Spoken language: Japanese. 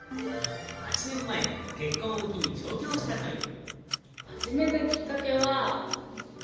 ８年前、結婚を機に上京したという。